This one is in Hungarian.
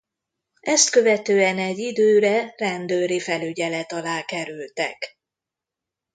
Ezt követően egy időre rendőri felügyelet alá kerültek.